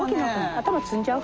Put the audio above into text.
頭摘んじゃう？